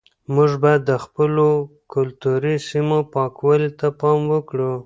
موږ باید د خپلو کلتوري سیمو پاکوالي ته پام وکړو.